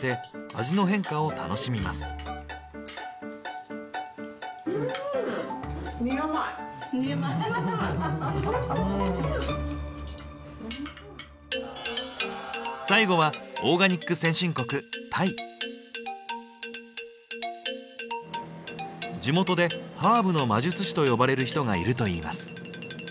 地元で「ハーブの魔術師」と呼ばれる人がいるといいます。